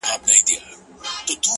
و ذهن ته دي بيا د بنگړو شرنگ در اچوم”